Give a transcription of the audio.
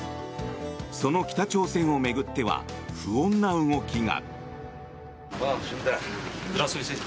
その北朝鮮を巡っては不穏な動きが。